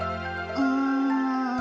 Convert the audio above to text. うん。